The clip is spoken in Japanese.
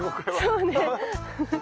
そうね。